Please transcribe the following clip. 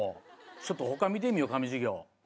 ちょっと他見てみよう神授業。